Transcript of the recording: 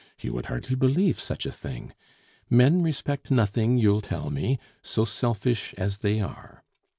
You would hardly believe such a thing! 'Men respect nothing,' you'll tell me, 'so selfish as they are.